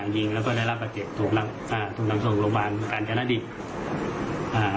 ยิงแล้วก็ได้รับประเจ็บถูกนำส่งโรงพยาบาลการจรรย์นาฏิภัณฑ์